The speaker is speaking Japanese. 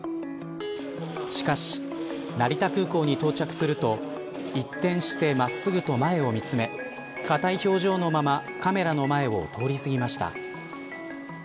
しかし、成田空港に到着すると一転して、真っすぐと前を見つめ硬い表情のままカメラの前を通り過ぎました。